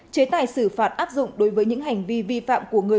chế tài xử phạt áp dụng đối với những hành vi vi phạm của người